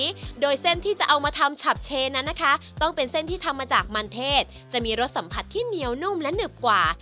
ด้วยเส้นที่จะเอามาทำฉับเชนั้นนะคะต้องเป็นเส้นที่ทำมาจากมันเทศจะมีรสสัมผัสที่เหนียวนุ่มและหนึบกว่า